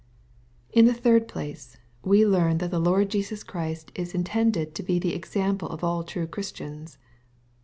In the third place, we learn that the Lord Jesua Christ is intended to be the eocample of all true Christians.